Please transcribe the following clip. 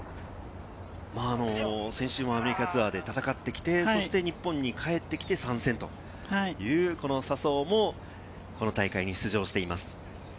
先週もアメリカツアーで戦ってきて、そして日本に帰ってきて参戦という笹生もこの大会に出場しています。